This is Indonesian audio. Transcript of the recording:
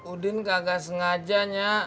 udin kagak sengaja nyak